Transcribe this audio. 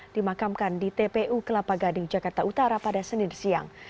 dimakamkan di tpu kelapa gading jakarta utara pada senin siang